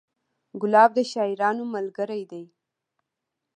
ګلاب د شاعرانو ملګری دی.